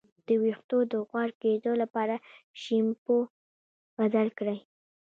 د ویښتو د غوړ کیدو لپاره شیمپو بدل کړئ